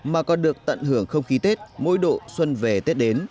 mà còn được tận hưởng không khí tết mỗi độ xuân về tết đến